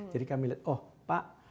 jadi kami lihat oh pak